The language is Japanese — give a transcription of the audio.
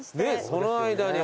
その間に？